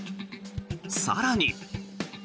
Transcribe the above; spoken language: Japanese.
更に。